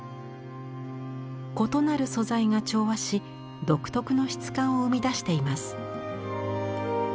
異なる素材が調和し独特の質感を生み出しています。